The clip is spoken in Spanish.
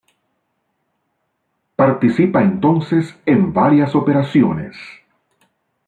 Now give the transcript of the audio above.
Participa entonces en varias operaciones.